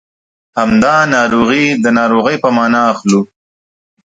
همدا ناروغي د ناروغۍ په مانا اخلو.